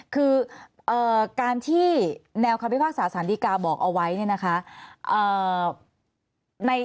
คือการที่แนวคำพิพากษาสารดีกาบอกเอาไว้เนี่ยนะคะ